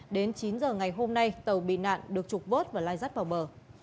đến chín h ngày hôm nay tàu bị nạn được trục vốt và lai rắt vào bờ